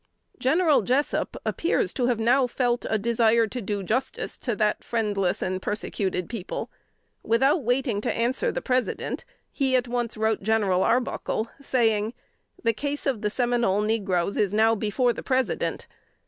General Jessup appears to have now felt a desire to do justice to that friendless and persecuted people. Without waiting to answer the President, he at once wrote General Arbuckle, saying, "The case of the Seminole negroes is now before the President.